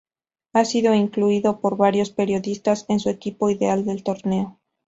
Ha sido incluido por varios periodistas en su equipo ideal del torneo.